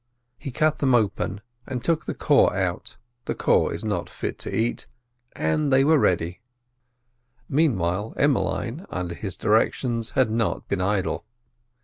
He cut them open and took the core out—the core is not fit to eat—and they were ready. Meanwhile, Emmeline, under his directions, had not been idle.